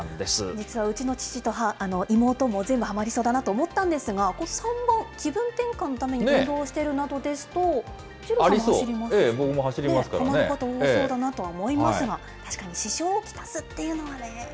実はうちの父と妹も全部はまりそうだなと思ったんですが、３番、気分転換のために運動しているですとありそう、二郎さんも走はまる方多そうだなと思いますが、確かに支障を来すっていうのはね。